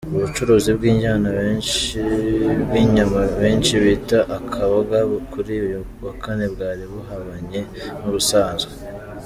Ubucuruzi bw’inyama abenshi bita akaboga kuri uyu wa kane bwari buhabanye n’ubusanzwe.